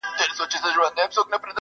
• را تاو سوی لکه مار پر خزانه وي -